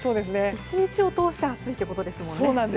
１日を通して暑いということですからね。